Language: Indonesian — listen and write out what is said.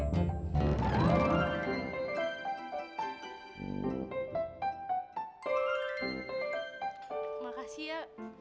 terima kasih ya